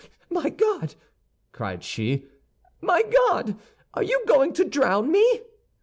"Oh, my God!" cried she, "my God! are you going to drown me?"